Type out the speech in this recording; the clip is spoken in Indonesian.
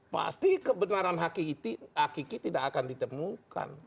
pasti kebenaran hakiki tidak akan ditemukan